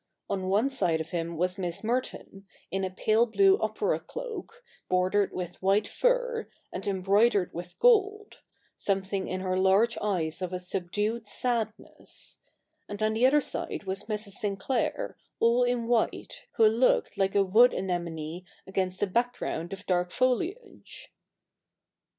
On one side of him was Miss Merton, in a pale blue opera cloak, bordered with white fur, and embroidered with gold, something in her large eyes of a subdued sadness ; and on the other side was Mrs. Sinclair, all in white, who looked like a wood anemone against a background of dark foliage.